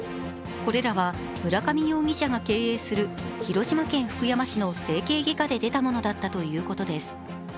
これらは、村上容疑者が経営する広島県福山市の整形外科で出たものだったということです。